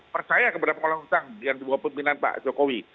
percaya kepada pengolahan utang yang diwawancara pak jokowi